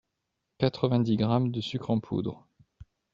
quatre-vingt dix grammes de sucre en poudre